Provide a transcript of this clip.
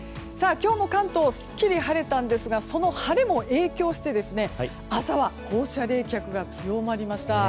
今日も関東すっきり晴れたんですがその晴れも影響して朝は放射冷却が強まりました。